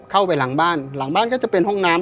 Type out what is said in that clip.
เข้าไปหลังบ้านหลังบ้านก็จะเป็นห้องน้ำ